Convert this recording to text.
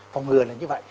phòng ngừa là như vậy